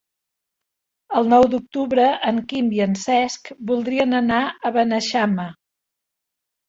El nou d'octubre en Quim i en Cesc voldrien anar a Beneixama.